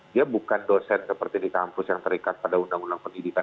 dia bukan dosen seperti di kampus yang terikat pada undang undang pendidikan